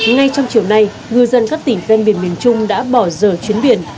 ngay trong chiều nay ngư dân các tỉnh ven biển miền trung đã bỏ giờ chuyến biển